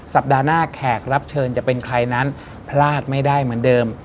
สัปดาห์หน้าแขกรับเชิญจะเป็นใครนั้นพลาดไม่ได้เหมือนเดิม